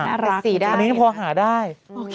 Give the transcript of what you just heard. น่ารักสีได้อันนี้พอหาได้